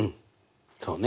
そうね。